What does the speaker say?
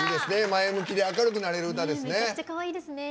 前向きで明るくなれる歌ですね。